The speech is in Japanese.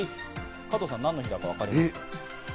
加藤さん、何の日だかわかりますか？